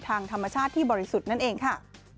ทางธรรมชาติที่บริสุทธิ์นั่นเองค่ะ